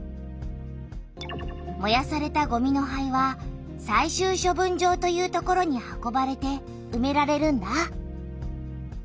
もやされたごみの灰は最終処分場という所に運ばれてうめられるんだ。